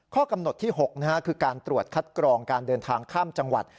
ข้อกำหนดที่๖คือการตรวจคัดกรองการเดินทางข้ามจังหวัด